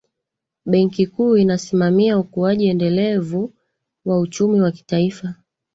benki kuu inasimamia ukuaji endelevu wa uchumi wa taifa